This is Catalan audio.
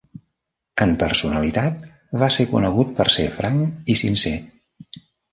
En personalitat, va ser conegut per ser franc i sincer.